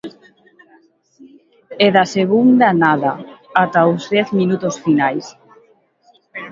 E da segunda nada, ata os dez minutos finais.